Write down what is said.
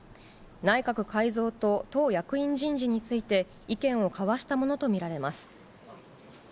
内閣改造と党役員人事について、意見を交わしたものと見られます。